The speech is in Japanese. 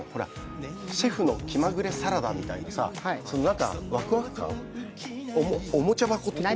シェフの気まぐれサラダみたいなワクワク感、おもちゃ箱的な。